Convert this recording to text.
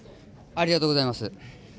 ありがとうございます。